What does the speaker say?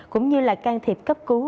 cũng như là can thiệp cấp cứu